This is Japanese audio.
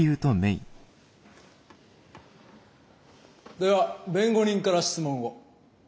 では弁護人から質問を。